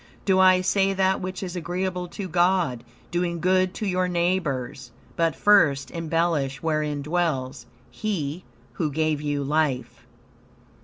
Do I say that which is agreeable to God doing good to your neighbors? But, first embellish wherein dwells He, who gave you life."